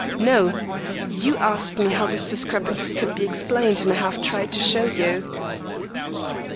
"No. You asked me how this discrepancy could be explained, and I have tried to show you."